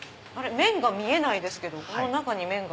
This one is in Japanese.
麺見えないですけど中に麺が。